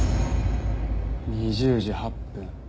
２０時８分。